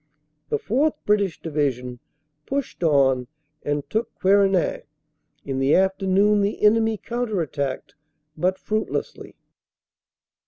"The 4th. British Division pushed on and took Querenaing. In the afternoon the enemy counter attacked, but fruitlessly.